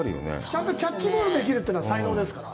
ちゃんとキャッチボールができるというのは、才能ですから。